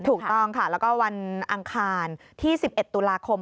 ถูกต้องค่ะแล้วก็วันอังคารที่๑๑ตุลาคม